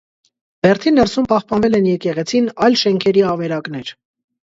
Բերդի ներսում պահպանվել են եկեղեցին, այլ շենքերի ավերակներ։